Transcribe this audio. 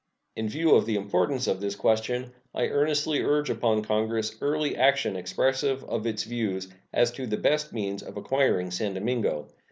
In view of the importance of this question, I earnestly urge upon Congress early action expressive of its views as to the best means of acquiring San Domingo.